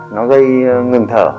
nó gây ngừng thở